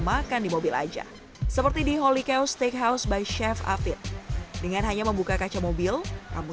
makan di mobil aja seperti di holy cow steakhouse by chef afit dengan hanya membuka kaca mobil kamu